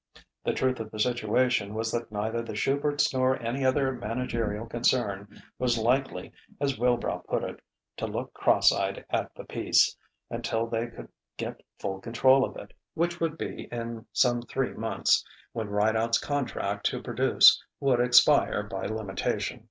The truth of the situation was that neither the Shuberts nor any other managerial concern was likely (as Wilbrow put it) "to look cross eyed at the piece" until they could get full control of it; which would be in some three months, when Rideout's contract to produce would expire by limitation.